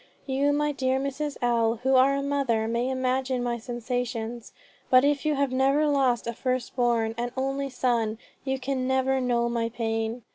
You, my dear Mrs. L. who are a mother, may imagine my sensations, but if you have never lost a first born, an only son, you can never know my pain.